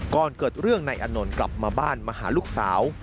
ก่อนเกิดเรื่องนายอานนท์กลับมาบ้านมาหาลูกสาว